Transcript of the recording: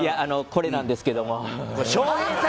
これなんですけども。